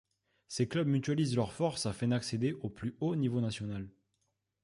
Ces clubs mutualisent leurs forces afin d'accéder au plus haut niveau national.